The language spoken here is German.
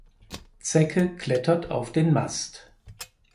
Zecke klettert auf den Mast.